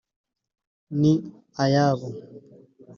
ni ayabo